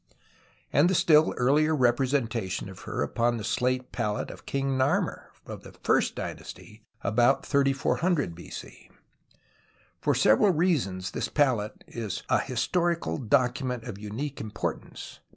and the still earher representation of her upon the slate palette of King xS^armer of the first dynasty, about 3400 B.C. For several reasons this palette is a historical document of unique importance.